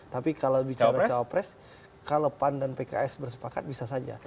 tapi kalau bicara cawapres kalau pan dan pks bersepakat bisa saja